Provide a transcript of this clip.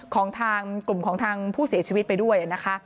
ของทางกลุ่มของทางผู้เสียชีวิตไปด้วยนะคะ